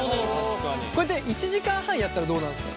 これって１時間半やったらどうなるんですか？